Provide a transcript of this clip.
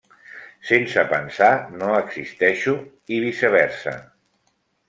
Sense pensar no existeixo i viceversa.